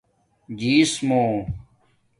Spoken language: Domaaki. جیس مُو